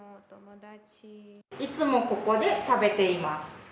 いつも、ここで食べています。